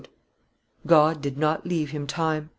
God did not leave him time.